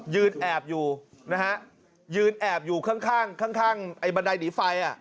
แอบอยู่นะฮะยืนแอบอยู่ข้างข้างไอ้บันไดหนีไฟ